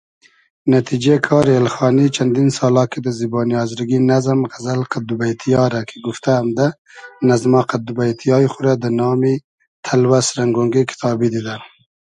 نتیجې کاری اېلخانی چئندین سالا کی دۂ زیبۉنی آزرگی نئزم، غئزئل قئد دو بݷتی یا رۂ کی گوفتۂ امدۂ، نئزما قئد دوبݷتی یای خو رۂ دۂ نامی تئلوئس رئنگ اۉنگې کیتابی دیدۂ